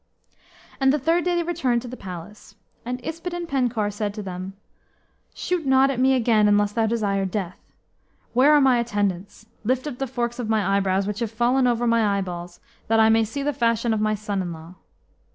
And the third day they returned to the palace. And Yspadaden Penkawr said to them, "Shoot not at me again unless you desire death. Where are my attendants? Lift up the forks of my eyebrows, which have fallen over my eyeballs, that I may see the fashion of my son in law."